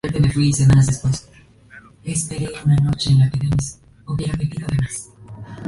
Tigranes pagó tributo a Astiages.